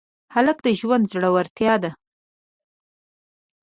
هلک د ژوند زړورتیا ده.